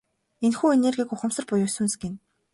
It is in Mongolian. Энэхүү энергийг ухамсар буюу сүнс гэнэ.